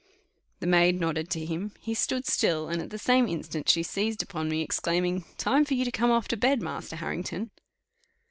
The maid nodded to him; he stood still, and at the same instant she seized upon me, exclaiming, "Time for you to come off to bed, Master Harrington."